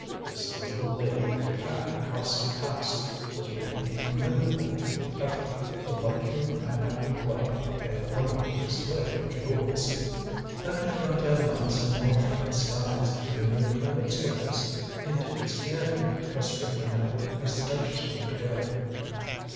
This noble lady with the packing house past was making a commendable effort to lighten the Manhattan Club by a wonderful display of jewels. "Then felt I like some watcher of the skies, when a new planet swims into his ken," whispered Minot, as the duchess moved away.